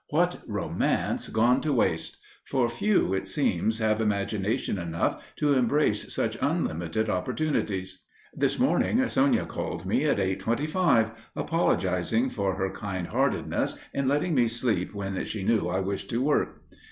What Romance gone to waste! For few, it seems, have imagination enough to embrace such unlimited opportunities! This morning Sonia called me at 8:25, apologizing for her kind heartedness in letting me sleep when she knew I wished to work.